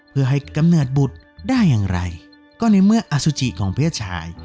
เพื่อให้กำเนิดบุตรได้อย่างไรก็ในเมื่ออสุจิของเพศชาย